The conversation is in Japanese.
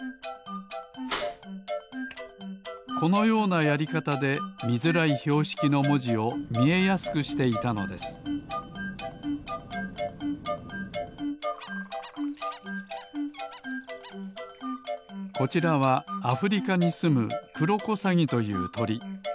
このようなやりかたでみづらいひょうしきのもじをみえやすくしていたのですこちらはアフリカにすむクロコサギというとり。